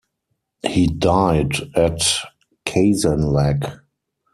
He died at Kazanlak.